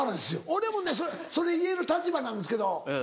俺もそれ言える立場なんですけど